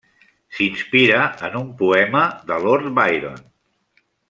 S'inspira en un poema de Lord Byron.